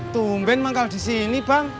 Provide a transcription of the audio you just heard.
tumben manggal di sini bang